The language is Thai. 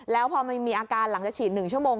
แล้วพอมันมีอาการหลังจากฉีด๑ชั่วโมง